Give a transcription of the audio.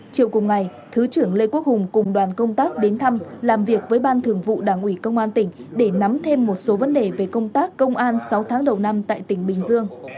chiều cùng ngày thứ trưởng lê quốc hùng cùng đoàn công tác đến thăm làm việc với ban thường vụ đảng ủy công an tỉnh để nắm thêm một số vấn đề về công tác công an sáu tháng đầu năm tại tỉnh bình dương